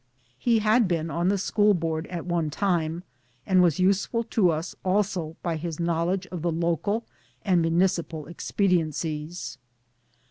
He had been on the school board at one time, and was useful to us also by his know ledge of local and municipal expediencies.